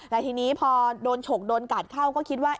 แต่ทีนี้พอโดนฉกโดนกัดเข้าก็คิดว่า